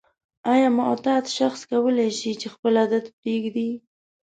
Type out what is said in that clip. آیا معتاد شخص کولای شي چې خپل عادت پریږدي؟